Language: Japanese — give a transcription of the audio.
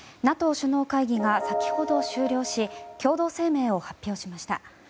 ＮＡＴＯ首脳会議が先ほど終了し共同声明を発表しました。